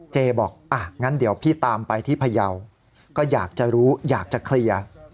บอกอ่ะงั้นเดี๋ยวพี่ตามไปที่พยาวก็อยากจะรู้อยากจะเคลียร์